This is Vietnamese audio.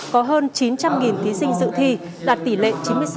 có hơn chín trăm linh thí sinh dự thi đạt tỷ lệ chín mươi sáu một mươi ba